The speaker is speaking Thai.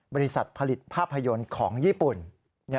บริษัทผลิตภาพยนตร์ของญี่ปุ่น